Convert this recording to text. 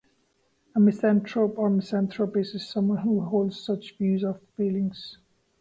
A misanthrope or misanthropist is someone who holds such views or feelings.